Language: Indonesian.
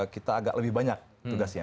kita agak lebih banyak tugasnya